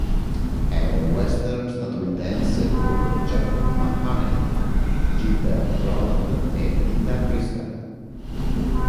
È un western statunitense con Jock Mahoney, Gilbert Roland e Linda Cristal.